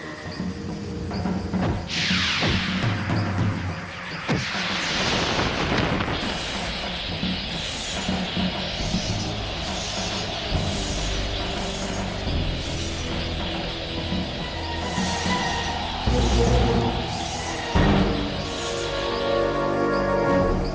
kau akan menang